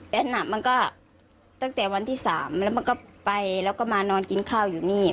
แต่หนักมันก็ตั้งแต่วันที่๓แล้วมันก็ไปแล้วก็มานอนกินข้าวอยู่นี่